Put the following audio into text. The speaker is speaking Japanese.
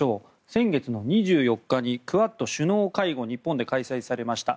先月の２４日にクアッド首脳会合が日本で開催されました。